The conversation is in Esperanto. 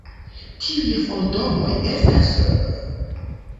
Tiuj fantomoj estas...